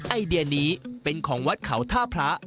ไอเดียนี้เป็นของวัดเขาท่าพระ